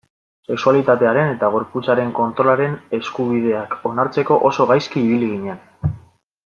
Sexualitatearen eta gorputzaren kontrolaren eskubideak onartzeko oso gaizki ibili ginen.